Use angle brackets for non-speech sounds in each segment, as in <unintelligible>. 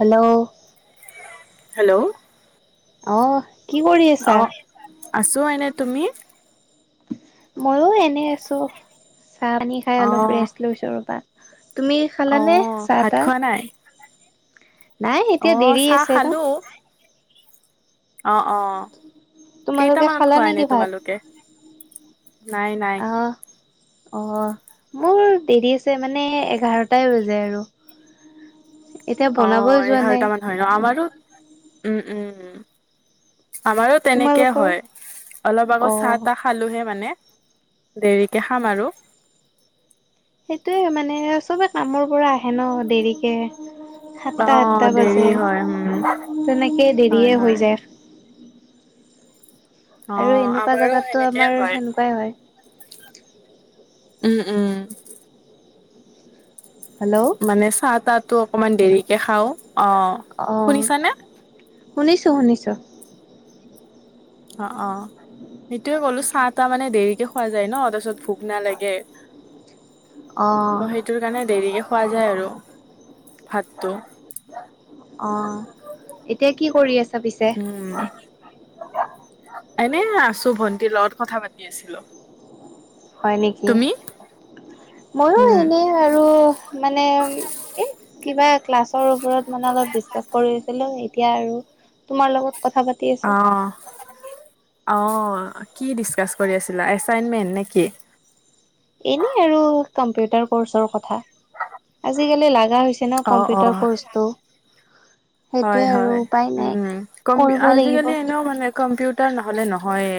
Hello hello অ' অ' আছো এনে তুমি? ময়ো এনেই আছোঁ চাহ পানী খাই অ অলপ ৰেষ্ট লৈছোঁ ৰ'বা, তুমি? অ খালানে চাহ ভাত তাহ খোৱা নাই নাই অ এতিয়া দেৰি চাহ আছে ৰ খালো অ' অ' তোমালোকে কেইটামানত খালা খোৱা নেকি এনে ভাত? তোমালোকে নাই নাই। অ', মোৰ দেৰি আছে মানে এঘাৰটাই হৈ যায় আৰু। এতিয়া অ বনাবই যোৱা নাই। এঘাৰটামান হয় ন আমাৰো উম উম। আমাৰো তেনেকে তোমালোকৰ? হয় অলপ আগত চাহ অহ তাহ খালোহে মানে, দেৰিকে খাম আৰু। সেইটোৱে মানে চবে কামৰ পৰা আহে ন দেৰিকে। অ সাতটা আঠটা দেৰি বাজে হয় উম তেনেকে হয় দেৰিয়ে হয় হৈ যায়। আৰু অ' এনেকুৱা আমাৰো জাগাতটো সেনেকে আমাৰ হয়। সেনেকুৱাই হয়। উম উম। হেল্ল' মানে চাহ তাহ টো অকমান দেৰিকে খাওঁ। অ' শুনিছোঁ শুনিছোঁ। অ' অ'। সেইটোয়ে ক'লো চাহ তাহ মানে দেৰিকে খোৱা যায় ন তাৰপিছত ভোক নালাগে। অ' টোৰ কাৰণে দেৰিকে খোৱা যায় আৰু ভাতটো। অ' এতিয়া কি কৰি আছা পিছে? উম এনে আছো। ভন্টিৰ লগত কথা পাতি আছিলো। হয় নেকি? তুমি ময়ো উম এনেই আৰু মানে। এ কিবা ক্লাছৰ ওপৰত মানে অলপ ডিচকাছ কৰিছিলো এতিয়া আৰু। তোমাৰ লগত কথা পাতি। আছো। অ' অ' কি ডিচকাছ কৰি আছিলা এছাইনমেণ্ট নেকি? এনেই আৰু কম্পিউটাৰ কৰ্চৰ কথা আজিকালি লগা হৈছে। <unintelligible> অ অ কম্পিউটাৰ ক'ৰ্চটো হয় সেইটোৱে আৰু হয়। উপায় নাই। কৰিবই লাগিব আজিকালি এনেও মানে কম্পিউটাৰ কৰ্চটো। কম্পিউটাৰ নহ'লে নহয়ে।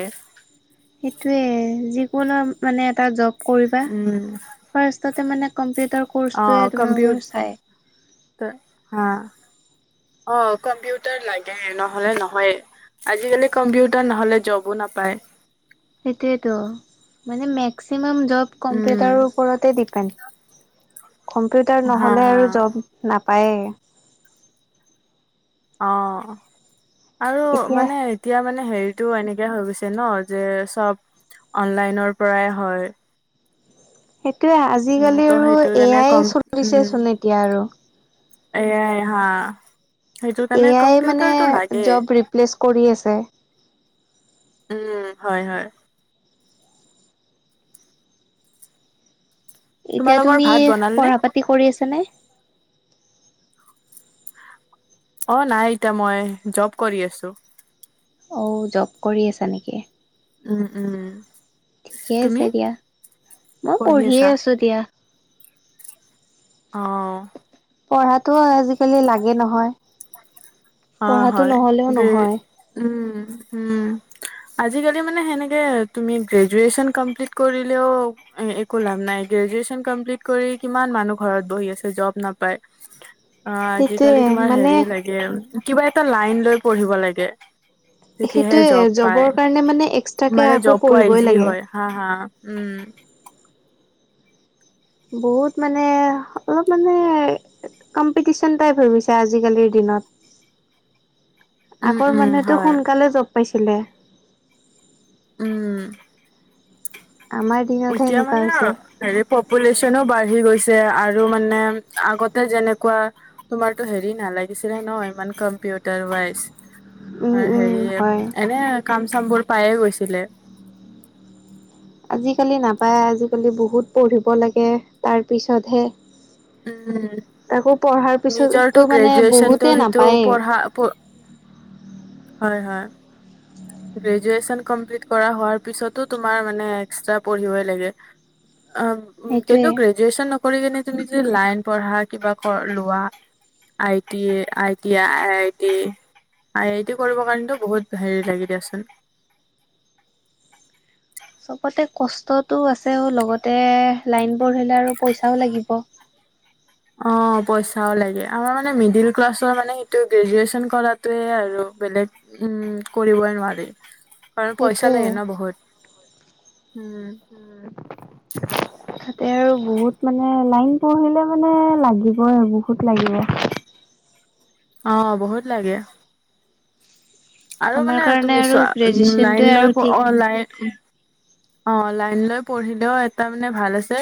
সেইটোৱে যিকোনো মানে এটা জব কৰিবা। উম ফাৰ্ষ্টতটে মানে কম্পিউটাৰ অ কৰ্ষ্টটোৱে তোমাক বাৰু কম্পিউটাৰ চায়। হা অ' কম্পিউটাৰ লাগে নহ'লে নহয়ে। আজিকালি কম্পিউটাৰ নহলে জবো নাপায়। সেইটোৱেতো মানে মেক্সিমাম জব উম, কম্পিউটাৰৰ ওপৰতে ডিপেণ্ড। কম্পিউটাৰ হা নহ'লে হা আৰু জব নাপায়ে। অ' আৰু এতিয়া মানে। এতিয়া মানে হেৰিতটো এনেকে হৈ গৈছে ন' যে চব অনলাইনৰ পৰাই হয়। সেইটোয়ে উম, আজিকালি ত' আৰু সেইটো কাৰণে এয়াই কম উম, চলিছেচোন এতিয়া আৰু। এয়াই হা। সেইটো এ কাৰণে আই মানে কম্পিউটাৰটো লাগে। জব ৰিপ্লেচ কৰি আছে। উম হয় -হয় এতিয়া তোমালোকৰ তুমি ভাত বনালনে? পঢ়া পাতি কৰি আছানে? অ' নাই এতিয়া মই জব কৰি আছো। অ' জব কৰি আছা নেকি! উম, উম। ঠিকে তুমি আছে দিয়া মই পঢ়ি পঢ়িয়ে আছা? আছোঁ দিয়া। অ' পঢ়াতো আজিকালি লাগে নহয়। অ' পঢ়াটো হয় নহ'লেও নহয়। উম- উম। আজিকালি মানে সেনেকে তুমি গ্ৰেজুৱেন কমপ্লিট কৰিলেও। একো লাভ নাই। উ। অ' আজিকালি তোমাৰ হেৰি লাগে কিবা এটা লাইন লৈ পঢ়িব লাগে। তেতিয়াহে সেইটোৱে জব জবৰ পায় কাৰণে মানে এক্সট্ৰাকে মানে আকৌ জব পোৱা পঢ়িবই ইজি লাগে। হয় হা- হা উম। বহুত মানে অলপ মানে। কম্পিটিচন টাইপ ভাবিছে আজিকালিৰ দিনত। উম আগৰ উম মানুহেতো হয় সোনকালে জব পাইছিলে। উ'ম। আমাৰ দিনতহে এতিয়া এনেকুৱা মানে হৈছে। হেৰি পপুলেশ্যনো বাঢ়ি গৈছে আৰু মানে আগতে যেনেকুৱা। তোমাৰতো হেৰি নালাগিছিলে ন' ইমান কম্পিউটাৰ ৱাইজ। উম, তোমাৰ উম, হেৰি এ হয়। এনে কাম চাম বোৰ পায়ে গৈছিলে। আজিকালি নাপায় আজিকালি বহুত পঢ়িব লাগে তাৰপিছতহে। উম, তাকো পঢ়াৰ পিছতো মানে বহুতে নাপায়ে। আ পঢ়। হয়, হয়। গ্ৰেজুৱেচন কমপ্লিট কৰা পাছতে মানে তোমাৰ এক্সটা পঢ়িব লাগে। সেইটোৱে। <unintelligible> গ্ৰেচন নকৰি কিনে যদি তুমি লাইন পঢ়া কিবা কৰ লোৱা I T A, I T I, I I T, আই ইটো কৰিবৰ কাৰণেতো বহুত হেৰি লাগি দিয়াচোন। চবতে কষ্টটো আছেও লগতে লাইনবোৰ আহিলে আৰু পইচাও লাগিব।। <unintelligible> অ, পইচাও লাগে আমাৰ মানে মিডিল ক্লাছৰ মানে সেটো গ্ৰেজুৱেচন কৰাত তয়ে আৰু বেলেগ উম, কৰিবই নোৱাৰি। কাৰণ পইচা সেইটোৱে। লাগে ন, বহুত উম। উম, তাতে আৰু বহুত মানে লাইন পঢ়িলে মানে লাগিবই বহুত লাগিব। অ, বহুত লাগে। আৰু আমাৰ মানে কাৰণে তুমি আৰু চোৱা লাইন গ্ৰেজুৱেচনটোৱে আৰু লৈ ঠিক অ, লাই অ, লাইন লৈ পঢ়িলেও এটা মানে ভাল আছে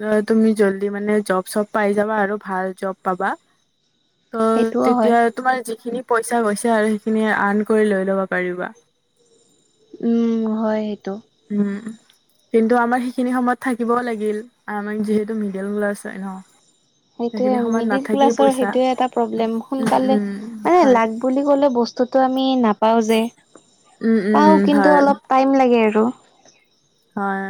ধৰা তুমি জল্দি মানে জব চব পাই যাবা আৰু ভাল জব পাবা। ত' সেইটোও হয়। তেতিয়া তোমাৰ যিখিনি পইচা গৈছে আৰু সেইখিনি আৰ্ণ কৰি লৈ ল'ব পাৰিবা। উম, হয় সেইটো। উম, কিন্তু আমাৰ সেইখিনি সময়ত থাকিবও লাগিল আৰ আমাৰ যিহেতু মিডেল ক্লাছ হয় ন'? সেইটোৱে সেইখিনি সময়ত মিডিল নাথাকি ক্লাছৰ পইচা সেইটোয়ে এটা প্ৰব্লেম উম সোনকালে উম মানে হয় লাগ বুলি ক'লে বস্তুটো আমি নাপাওঁ যে, উম পাওঁ উম কিন্তু হয় অলপ টাইম লাগে আৰু। হয়।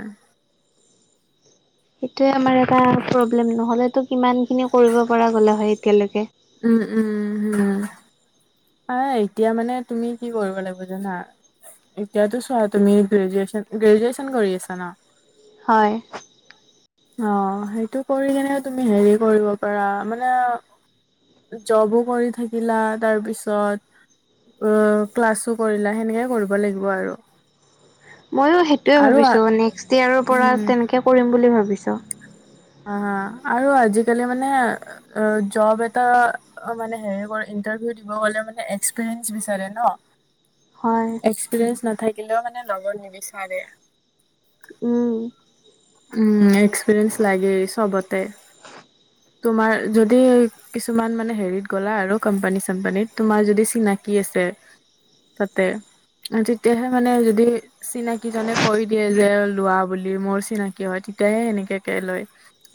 সেইটোৱে আমাৰ এটা প্ৰব্লেম নহলেতো কিমান খিনি কৰিব পৰা গলে হয় এতিয়ালৈকে। উম- উম হম, আহ এতিয়া মানে তুমি কি কৰিব লাগিব জানা? এতিয়াতো ছোৱা তুমি গ্ৰেজুৱেচন -গ্ৰেজুৱেচন কৰি আছা ন? হয়। অহ, সেইটো কৰি কেনে তুমি হেৰি কৰিব পাৰা মানে জবো কৰি থাকিলা তাৰ পিছত অ, ক্লাছো কৰিলা সেনেকে কৰিব লাগিব আৰু। ময়ো সেইটোৱে আৰু আ- ভাবিছোঁ নেক্সট ইয়েৰৰ পৰা উম তেনকে কৰিম বুলি ভাবিছোঁ। অ, আৰু আজিকালি মানে অ, জব এটা অ, মানে হেৰি কৰে ইণ্টাৰভিউ দিব গ'লে মানে এক্সপিৰিয়েঞ্চ বিচাৰে ন? হয়। এক্সপিৰিয়েন্ঞ্চ নাথাকিলেওঁ মানে ল'ব নিবিচাৰে। উম, উম, এক্সপিৰিয়েন্স লাগেই চবতে তোমাৰ যদি কিছুমান মানে হেৰিত গ'লা আৰু কম্পানী- চম্পানীত তোমাৰ যদি চিনাকি আছে তাতে। অ, তেতিয়াহে মানে যদি চিনাকি জনে কৈ দিয়ে যে লোৱা বুলি মোৰ চিনাক কি হয় তেতিয়াহে সেনেকেকে লয়।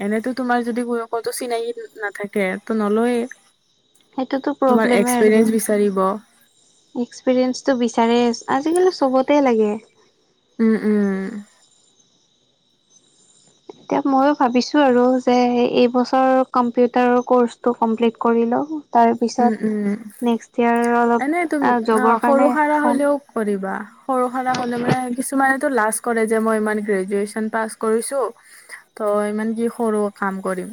এনেতো তোমাৰ যদি ক-কতো চিনাকি নাথাকে তো নলয়ে। সেইটোতো তোমাৰ প্ৰব্লেমে আৰু এক্সপিৰিয়েঞ্চ বিচাৰিব। এক্সপিৰিয়েঞ্চটো বিচাৰে আজিকালি চবতে লাগে। উম -উম এতিয়া ময়ো ভাবিছোঁ আৰু যে এইবছৰ কম্পিউটাৰৰ ক'ৰ্চটো কমপ্লিট কৰি লওঁ উম তাৰপিছত উম নেক্সট ইয়াৰ আৰু এনে তুম অলপ অ জবৰ সৰু কাৰণে সাৰা চাম। হলেও কৰিবা সৰু সৰা হ'লে মানে কিছুমানেতো লাজ কৰেযে মই ইমান গ্ৰেজুৱেশ্যন পাছ কৰিছোঁ ত' ইমান কি সৰু কাম কৰিম।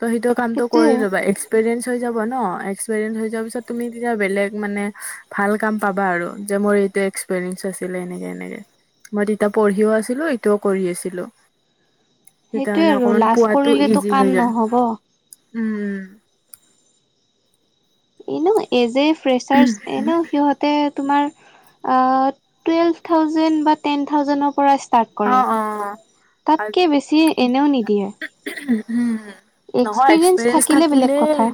ত সেইটো কামটো কৰি সেইটোৱে। ল'বা, এক্সপিৰিয়েঞ্চ হৈ যাব ন? এক্সপেৰিয়েন্স হৈ যোৱা পিছত তুমি তেতিয়া বেলেগ মানে ভাল কাম পাবা আৰু মোৰ এটো এক্স এক্সপেৰিয়েন্স আছিল এনে এনেকে। মই তেতিয়া পঢ়িও আছিলোঁ, ইটোও কৰি আছিলোঁ। তেতিয়া সেইটোৱে মানে আৰু অকমান লাজ পোৱাতো কৰিলেতো ইজি কাম হৈ যায়। নহ'ব। উম, উম। এনেও এজি এ ফ্ৰেচাৰছ এনেও সিহঁত তে তোমাৰ অ, টোৱেলভ থাউজেণ্ড বা টেন থাউজেণ্ড পৰা ই ষ্টাৰ্ট অ', অ', উম, কৰে। তাতকৈ বেছি এনেও নিদিয়ে। উম হুম। নহয় এক্সপিৰিয়েঞ্চ থাকিলে বেলেগ থাকিলেই কথা।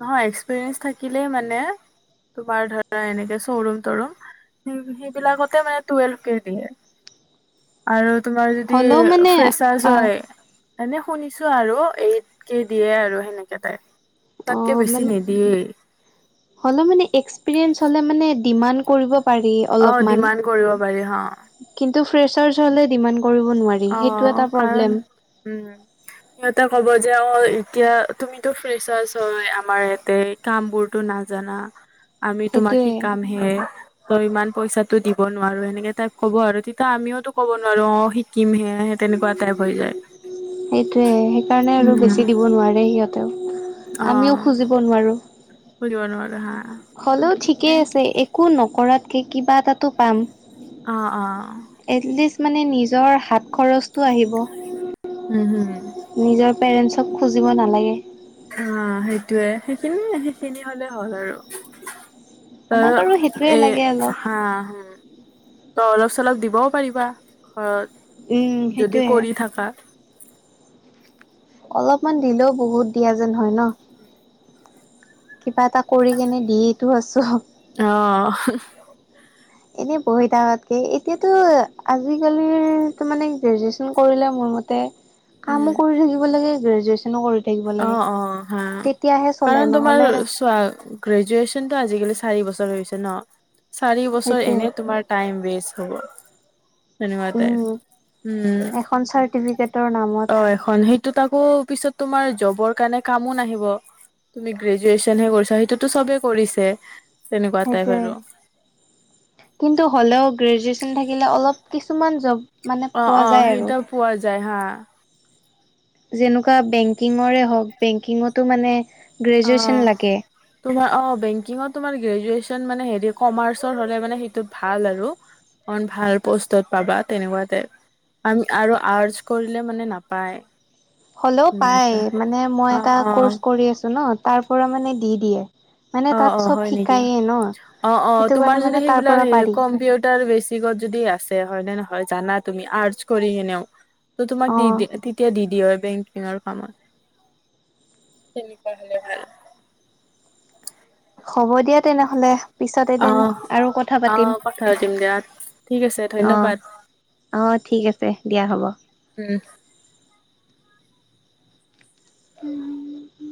নহয় এক্সপিৰিয়েঞ্চ থাকিলেই মানে তোমাৰ ধৰা এনেকে চৰুম তৰুম, সেইবিলাকতে মানে টুৱেলভ কে দিয়ে। আৰু তোমাৰ যদি হ'লেও মানে ফ্ৰেচাৰছ আহ হয় এনে শুনিছোঁ আৰু এইত কে দিয়ে আৰু সেনেকে তাইপ। তাতকে বেছি নিদিয়ে। হলে মানে এক্সপিৰিয়েঞ্চ হলে মানে ডিমাণ্ড কৰিব পাৰি। অ', অলপমান। ডিমাণ্ড কৰিব পাৰি হ। কিন্তু ফ্ৰেছাৰ্জ হ'লে ডিমাণ্ড কৰিব নোৱাৰি সেইটো অ', এটা কাৰণ প্ৰব্লেম। উম, সিহঁতে ক'ব যে অ', এতিয়া তুমিতো ফ্ৰেছৱাচ হয় আমাৰ ইয়াতে কাম বোৰতো নাজানা, আমি তোমাক সেইটোৱে শিকাম হে। তই ইমান পইচা টো দিব নোৱাৰোঁ এনেকে টাইপ ক'ব আৰু তেতিয়া আমিওতো ক'ব নোৱাৰোঁ অ', সি কিম সেয়া সে তেনেকুৱা টাইপ হৈ যায়। সেইটোৱে সেইকাৰণে আৰু উম। বেছি দিব নোৱাৰে সিহঁতেও, আমিও খুজিব নোৱাৰোঁ। খুজিব নোৱাৰোঁ হা। হ'লেও ঠিকেই আছে একো নকৰাতকৈ কিবা এটাটো পাম। অ', অ'। এটলিষ্ট মানে নিজৰ হাত খৰচটো আহিব। উম, হুম। নিজৰ পেৰেণ্টছক খুজিব নালাগে। অ', সেইটোয়ে সেইখিনিয়ে সেইখিনি হলে হ'ল আৰু। ত আমাক আৰু সেইটোৱে এ লাগে অলপ হা হ <unintelligible> ত অলপ চলপ দিবও পাৰিবা ঘৰত। উম, যদি সেইটোয়ে। কৰি থাকা অলপমান দিলেও বহুত দিয়া যেন হয় ন? কিবা এটা কৰি কিনে দিয়েতো আছোঁ। অ'। এনেই বহি থকাতকে এতিয়াতো আজিকালিৰ মানে গ্ৰেজুৱেচন কৰিলে মোৰ মতে তে কামো উম কৰি থাকিব লাগে, গ্ৰেজুৱেচনো কৰি থাকিব লাগে অ', অ', হা তেতিয়াহে চলে কাৰণ তোমাৰ নহ'লে চোৱা গ্ৰেজুৱেচনটো আজিকালি চাৰি বছৰ হৈছে ন? চাৰি বছৰ সেইটোৱে এনে তোমাৰ টাইম ৱেষ্ট হ'ব। যেনেকুৱা উম টাইপ, উম। এখন চাৰ্টিফিকেটৰ নামত। তাকো পিছত তোমাৰ জবৰ কাৰণে কামো নাহিব, তুমি গ্ৰেজুৱেচনহে কৰিছা সেইটোতো চবে কৰিছে। তেনেকুৱা টাইপ আৰু সেইটোৱে। কিন্তু হ'লেও গ্ৰেজুৱেচন থাকিলে অলপ কিছুমান জব মানে অ', পোৱা যায় অ', আৰু সেইতাও পোৱা যায় হা। যেনেকুৱা বেংকিঙৰে হওঁক, বেংকিঙতো মানে গ্ৰেজুৱেচন অ লাগে। তোমাৰ অ', বেংকিঙতো তোমাৰ গ্ৰেজুৱেচন মানে হেৰি কমাৰ্চ হ'লে সেইটো ভাল আৰু। অকণ ভাল পষ্টত পাবা তেনেকুৱা টাইপ। আৰু আৰ্টছ কৰিলে মানে নাপায়। হ'লেও ইমান পাই এটা মানে মই অ এটা অ ক'ৰ্চ কৰি আছো ন তাৰ পৰা মানে দি দিয়ে। মানে তাত অ'অ' চব হয় নেকি? শিকায়ে ন অ' অ' সেইটো কাৰণে তোমাৰ মানে যদি তাৰ সেইবিলাক পৰা পাৰি কম্পিউটাৰ বেছি কত যদি আছে হয় নে নহয় জানা তুমি আৰ্টচ কৰি কিনেও ত তোমাক অ। দি দিয়ে। তেতিয়া দি দিয়ে বেংকিঙৰ কামত তেনেকোৱা হ'লে ভাল। হ'ব দিয়া তেনেহলে। পিছত অ এদিন আৰু কথা অ পাতিম, কথা পাতিম দিয়া ঠিক আছে অ' ধন্যবাদ অ' ঠিক আছে দিয়া হ'ব। উম। উম।